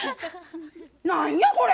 何やこれ！